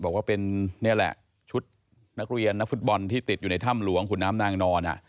บอกว่าเป็นนี่แหละชุดนักเรียนนักฟุตบอลที่ติดอยู่ในถ้ำหลวงขุนน้ำนางนอน